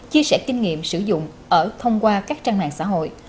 chia sẻ kinh nghiệm sử dụng thông qua các trang mạng xã hội